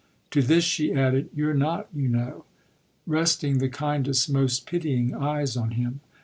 To this she added, "You're not, you know"; resting the kindest, most pitying eyes on him.